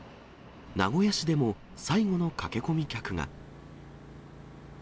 名古屋市でも最後の駆け込み客が。